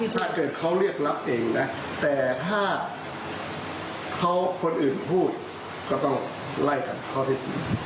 ถ้าเกิดเขาเรียกรับเองนะแต่ถ้าคนอื่นพูดก็ต้องไล่กันข้อเท็จจริง